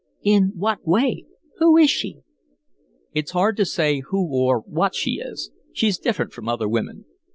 "In what way? Who is she?" "It's hard to say who or what she is she's different from other women.